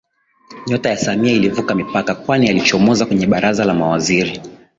Nyota ya Samia ilivuka mipaka kwani alichomoza kwenye baraza la Mawaziri